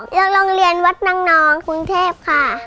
อยู่ในโรงเรียนวัดน้องคุณเทพค่ะ